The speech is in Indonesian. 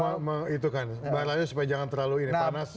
untuk menghitungkan baranya supaya jangan terlalu panas